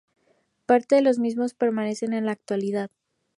Parte de los mismos permanecen en la actualidad.